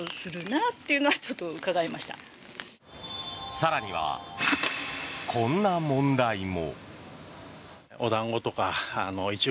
更には、こんな問題も。